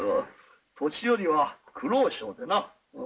年寄りは苦労性でな。